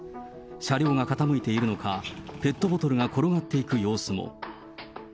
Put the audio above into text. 車両が傾いているのか、ペットボトルが転がっていく様子も。